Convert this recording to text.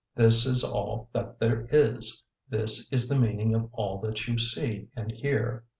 This is all that there is; this is the meaning of all that you see and hear.